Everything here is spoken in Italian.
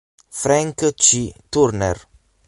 Frank C. Turner